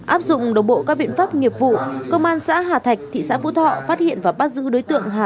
áp dụng đồng bộ các biện pháp nghiệp vụ công an xã hà thạch thị xã phú thọ phát hiện và bắt giữ đối tượng hà